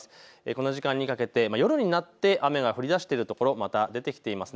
この時間にかけて夜になって雨が降りだしているところ、また出てきています。